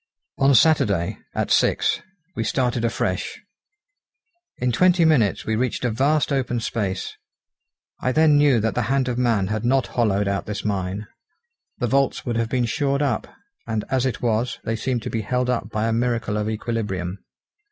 On Saturday, at six, we started afresh. In twenty minutes we reached a vast open space; I then knew that the hand of man had not hollowed out this mine; the vaults would have been shored up, and, as it was, they seemed to be held up by a miracle of equilibrium.